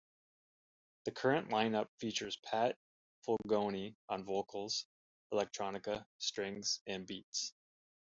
The current line up features Pat Fulgoni on vocals, electronica, strings and beats.